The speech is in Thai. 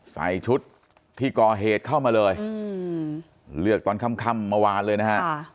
ใส่ชุดที่ก่อเหตุเข้ามาเลยเลือกตอนค่ำเมื่อวานเลยนะฮะ